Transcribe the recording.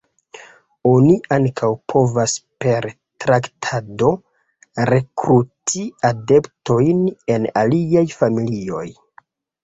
Oni ankaŭ povas per traktado rekruti adeptojn en aliaj familioj.